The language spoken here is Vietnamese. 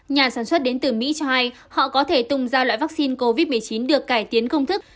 nhà sản xuất đến từ mỹ cho hay họ có thể tung ra loại vaccine covid một mươi chín được cải tiến công thức